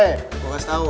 eh gua kasih tau